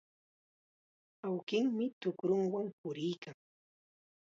Awkinmi tukrunwan puriykan.